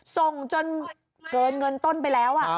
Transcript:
ส่งจนเกินเงินต้นไปแล้ว